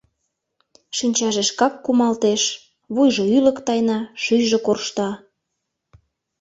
Шинчаже шкак кумалтеш, вуйжо ӱлык тайна, шӱйжӧ коршта.